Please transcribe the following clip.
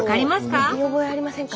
スタジオ見覚えありませんか？